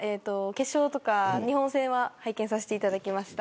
決勝とか日本戦は拝見させていただきました。